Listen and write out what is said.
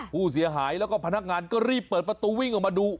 ผู้เสียหายแล้วก็พนักงานก็รีบเปิดประตูวิ่งออกมาดู